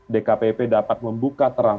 dkpp dapat membuka terang